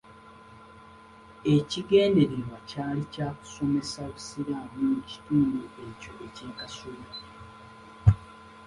Ekigendererwa kyali kya kusomesa busiraamu mu kitundu ekyo eky'e Kasubi.